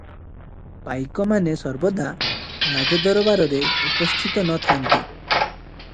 ପାଇକମାନେ ସର୍ବଦା ରାଜଦରବାରରେ ଉପସ୍ଥିତ ନ ଥାନ୍ତି ।